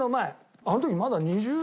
あの時まだ２０。